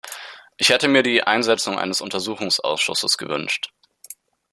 Ich hätte mir die Einsetzung eines Untersuchungsausschusses gewünscht.